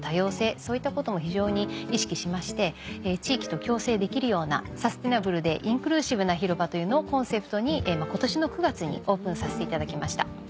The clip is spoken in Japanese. そういったことも非常に意識しまして地域と共生できるようなサステナブルでインクルーシブな広場というのをコンセプトに今年の９月にオープンさせていただきました。